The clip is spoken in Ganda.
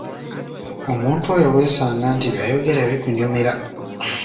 Omuntu oyo weesanga nti ne by’ayogera bikunyumira